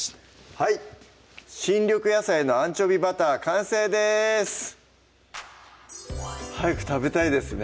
はい「新緑野菜のアンチョビバター」完成です早く食べたいですね